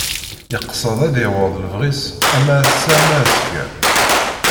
Iqsed ad yaweḍ lebɣi-s ama ass-a ama azekka.